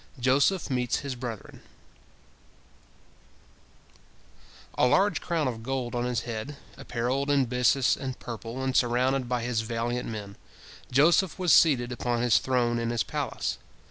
JOSEPH MEETS HIS BRETHREN A large crown of gold on his head, apparelled in byssus and purple, and surrounded by his valiant men, Joseph was seated upon his throne in his palace.